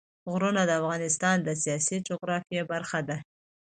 غرونه د افغانستان د سیاسي جغرافیه برخه ده.